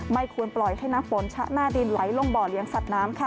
ไม่ควรปล่อยให้น้ำฝนชะหน้าดินไหลลงบ่อเลี้ยงสัตว์น้ำค่ะ